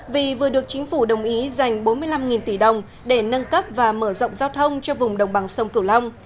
vì vừa được chính phủ đồng ý dành bốn mươi năm tỷ đồng để nâng cấp và mở rộng giao thông cho vùng đồng bằng sông cửu long